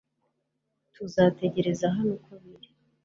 Tuzategereza hano uko biri